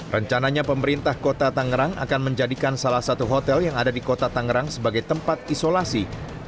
rencananya pemerintah kota tangerang akan menjadikan salah satu hotel yang ada di kota tangerang sebagai tempat isolasi